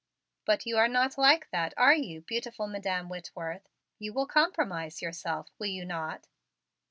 "But you are not like that, are you, beautiful Madam Whitworth? You will compromise yourself, will you not?"